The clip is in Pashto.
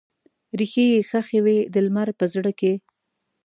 ریښې یې ښخې وي د لمر په زړه کې